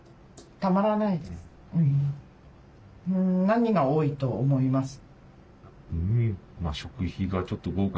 何が多いと思います？